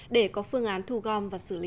để có phương án thu gom và xử lý